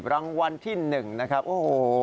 รางวัลที่หนึ่งนะครับโอ้โฮ